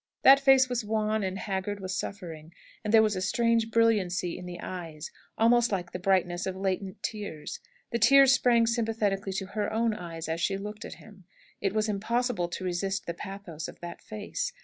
That face was wan and haggard with suffering, and there was a strange brilliancy in the eyes, almost like the brightness of latent tears. The tears sprang sympathetically to her own eyes as she looked at him. It was impossible to resist the pathos of that face.